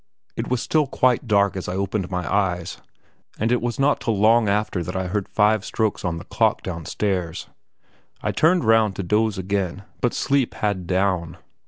It was still quite dark as I opened my eyes, and it was not till long after that I heard five strokes of the clock down stairs. I turned round to doze again, but sleep had down.